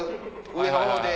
上の方で。